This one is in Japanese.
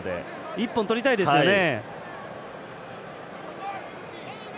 一本、取りたいですよね。